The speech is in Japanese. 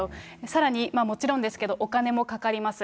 さらに、もちろんですけど、お金もかかります。